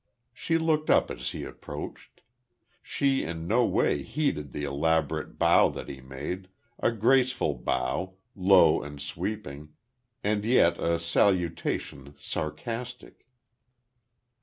She looked up as he approached. She, in no way, heeded the elaborate bow that he made a graceful bow, low and sweeping, and yet a salutation sarcastic.